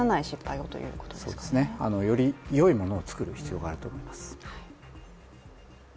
よりよいものを作る必要があると思います。